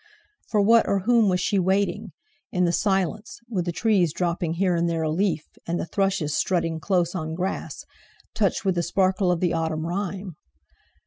For what or whom was she waiting, in the silence, with the trees dropping here and there a leaf, and the thrushes strutting close on grass, touched with the sparkle of the autumn rime?